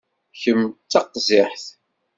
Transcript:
Kemm d taqziḥt.